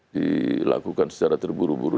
dilakukan secara terburu buru